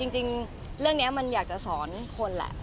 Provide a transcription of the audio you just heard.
จริงเรื่องนี้มันอยากจะสอนคนแหละ